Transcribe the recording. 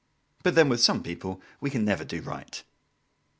But then, with some people we can never do right.